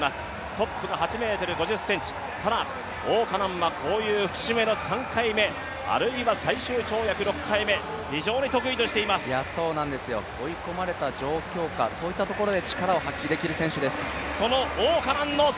トップが８ｍ５０ｃｍ、ただ王嘉男はこういう節目の３回目、あるいは最終跳躍６回目、追い込まれた状況下、そういったところで力を発揮できる選手です。